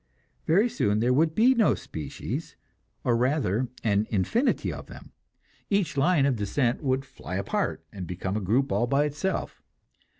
Very soon there would be no species, or rather an infinity of them; each line of descent would fly apart, and become a group all by itself.